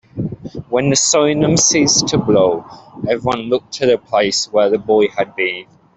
When the simum ceased to blow, everyone looked to the place where the boy had been.